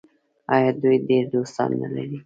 آیا دوی ډیر دوستان نلري؟